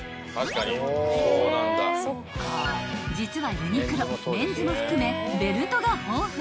［実はユニクロメンズも含めベルトが豊富］